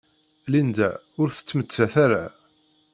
Linda ur tettmettat ara.